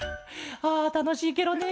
あたのしいケロね！